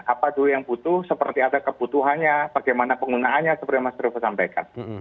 apa dulu yang butuh seperti ada kebutuhannya bagaimana penggunaannya seperti yang mas revo sampaikan